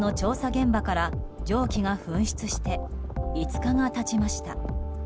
現場から蒸気が噴出して５日が経ちました。